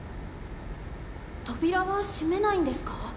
扉は閉めないんですか？